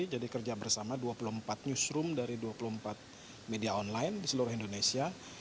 jadi kerja bersama dua puluh empat newsroom dari dua puluh empat media online di seluruh indonesia